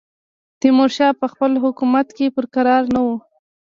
تیمورشاه په خپل حکومت کې پر کراره نه وو.